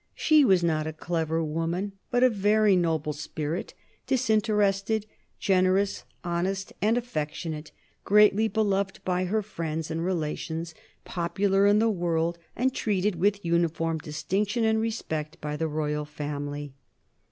She was not a clever woman, but of a very noble spirit, disinterested, generous, honest, and affectionate, greatly beloved by her friends and relations, popular in the world, and treated with uniform distinction and respect by the Royal Family."